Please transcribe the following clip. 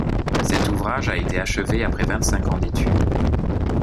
Cet ouvrage a été achevé après vingt-cinq ans d'étude.